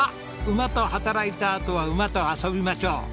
馬と働いたあとは馬と遊びましょう。